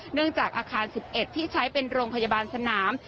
เนื่องจากอาคาร๑๑ที่ใช้เป็นโรงพยาบาลสนาม